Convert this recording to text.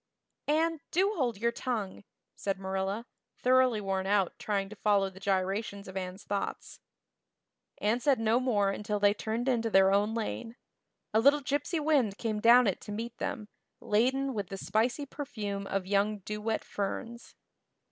"Anne, do hold your tongue," said Marilla, thoroughly worn out trying to follow the gyrations of Anne's thoughts. Anne said no more until they turned into their own lane. A little gypsy wind came down it to meet them, laden with the spicy perfume of young dew wet ferns.